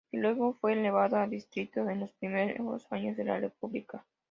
Y luego fue elevado a distrito en los primeros años de la república.